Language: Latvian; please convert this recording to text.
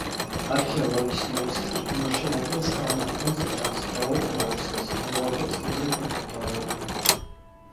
Arheoloģiskajos izrakumos šajā pilskalnā konstatētas trauku lauskas, ogles un dzīvnieku kauli.